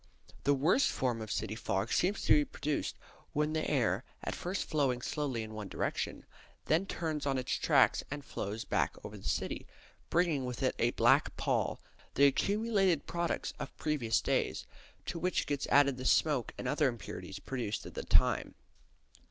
The worst form of city fogs seems to be produced when the air, after first flowing slowly in one direction, then turns on its tracks and flows back over the city, bringing with it a black pall, the accumulated products of previous days, to which gets added the smoke and other impurities produced at the time.